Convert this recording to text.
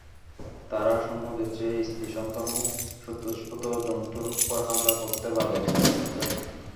তারা সৈন্যদের চেয়ে স্ত্রী-সন্তান ও চতুষ্পদ জন্তুর উপর হামলা করতে বারবার চেষ্টা করবে।